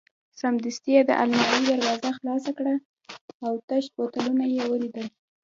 سمدستي یې د المارۍ دروازه خلاصه کړل او تش بوتلونه یې ولیدل.